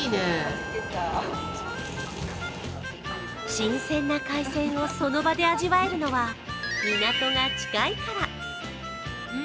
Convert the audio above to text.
新鮮な海鮮をその場で味わえるのは、港が近いから。